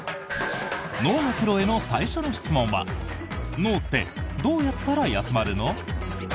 脳のプロへの最初の質問は脳ってどうやったら休まるの？